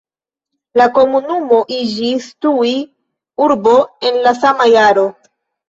La komunumo iĝis tuj urbo en la sama jaro.